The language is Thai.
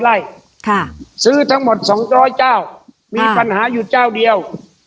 ไล่ค่ะซื้อทั้งหมดสองร้อยเจ้าอ่ามีปัญหาอยู่เจ้าเดียว